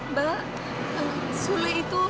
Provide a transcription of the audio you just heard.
mbak suli itu